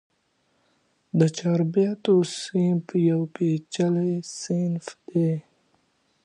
د چاربیتو صنف یو ډېر پېچلی صنف دئ.